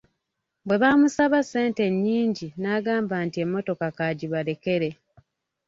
Bwe baamusaba ssente ennyingi n'agamba nti emmotoka k'agibalekere.